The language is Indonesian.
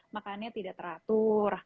makannya tidak teratur